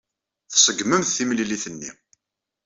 Tseggremt timlilit-nni.